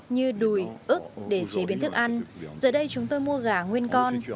như đùi ức để chế biến thức ăn giờ đây chúng tôi mua gà nguyên con